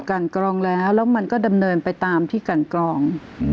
กันกรองแล้วแล้วมันก็ดำเนินไปตามที่กันกรอง